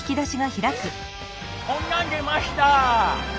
こんなん出ました。